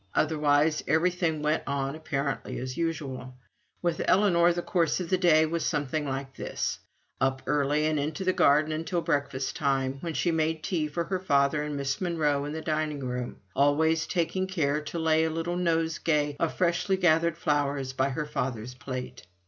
Otherwise, everything went on apparently as usual. With Ellinor the course of the day was something like this: up early and into the garden until breakfast time, when she made tea for her father and Miss Monro in the dining room, always taking care to lay a little nosegay of freshly gathered flowers by her father's plate.